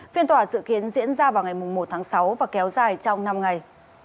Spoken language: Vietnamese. phiên tòa dự kiến diễn ra vào ngày một tháng sáu và kéo dài trong năm ngày